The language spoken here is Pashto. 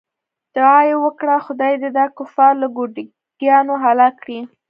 دعا یې وکړه خدای دې دا کفار له ګوډاګیانو هلاک کړي.